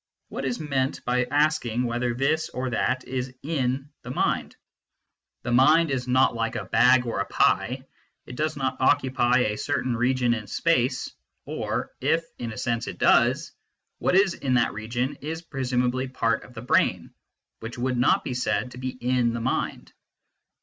What is meant by asking whether this or that is " in " the mind ? The mind is not like a bag or a pie ; it does not occupy a certain region in space, or, if (in a sense) it does, what is in that region is presumably part of the brain, which would not be said to be in the mind.